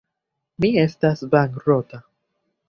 Mi estas bankrota.